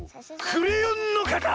クレヨンのかた！